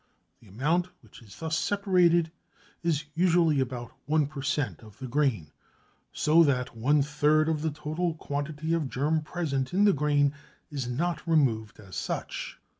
The amount which is thus separated is usually about 1 per cent. of the grain so that one third of the total quantity of germ present in the grain is not removed as such.